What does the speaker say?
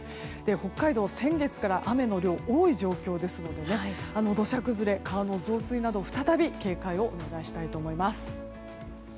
北海道、先月から雨の量が多い状況ですので土砂崩れ、川の増水など再び警戒をお願いしたいと思います。